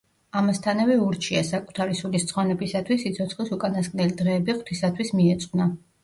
ამასთანავე ურჩია, საკუთარი სულის ცხონებისათვის სიცოცხლის უკანასკნელი დღეები ღვთისათვის მიეძღვნა.